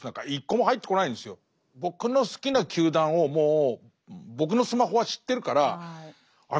僕の好きな球団をもう僕のスマホは知ってるからあれ？